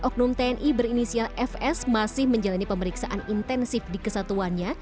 oknum tni berinisial fs masih menjalani pemeriksaan intensif di kesatuannya